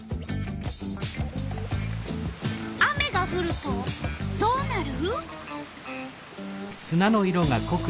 雨がふるとどうなる？